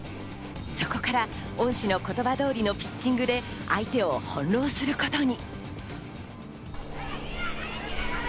そこから恩師の言葉通りのピッチングで相手を翻弄することに。